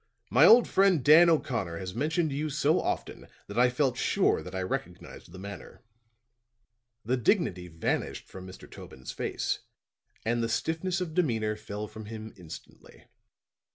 "My old friend Dan O'Connor has mentioned you so often that I felt sure that I recognized the manner." The dignity vanished from Mr. Tobin's face, and the stiffness of demeanor fell from him instantly.